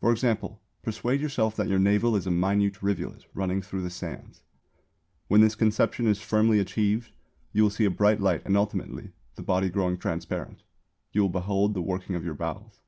For example persuade yourself that your navel is a minute rivulet running through the sands. When this conception is firmly achieved, you will see a bright light and ultimately, the body growing transparent, you will behold the working of your bowels.